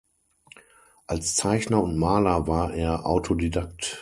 Als Zeichner und Maler war er Autodidakt.